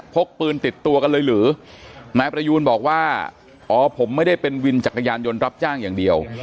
พกปืนติดตัวกันเลยหรือนายประยูนบอกว่าอ๋อผมไม่ได้เป็นวินจักรยานยนต์รับจ้างอย่างเดียว